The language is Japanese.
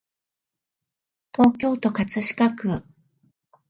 東京都葛飾区